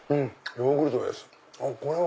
ヨーグルトです。